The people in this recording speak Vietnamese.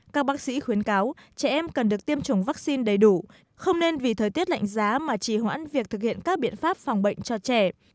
các bác sĩ khuyến cáo trẻ em cần được tiêm chủng vaccine đầy đủ không nên vì thời tiết lạnh giá mà chỉ hoãn việc thực hiện các biện pháp phòng bệnh cho trẻ